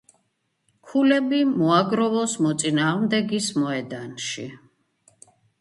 ქულები მოაგროვოს მოწინააღმდეგის მოედანში